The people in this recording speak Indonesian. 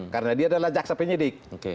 karena dia adalah jaksa penyidik